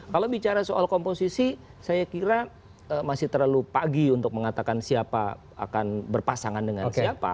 kalau bicara soal komposisi saya kira masih terlalu pagi untuk mengatakan siapa akan berpasangan dengan siapa